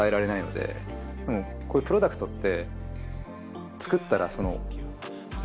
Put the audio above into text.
でもこういうプロダクトって。